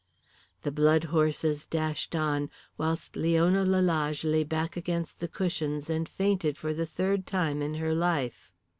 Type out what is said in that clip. The blood horses dashed on, whilst Leona Lalage lay back against the cushions and fainted for the third time in her life.